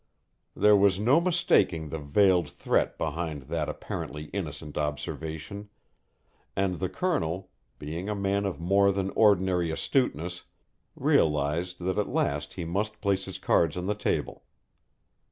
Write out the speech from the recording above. There was no mistaking the veiled threat behind that apparently innocent observation, and the Colonel, being a man of more than ordinary astuteness, realized that at last he must place his cards on the table.